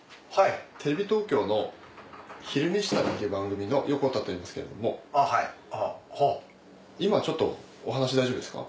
テレビ東京の「昼めし旅」っていう番組の横田といいますけども今ちょっとお話大丈夫ですか？